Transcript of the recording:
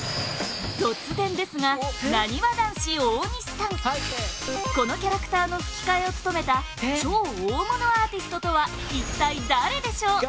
突然ですがなにわ男子、大西さんこのキャラクターの吹き替えを務めた超大物アーティストとは一体誰でしょう？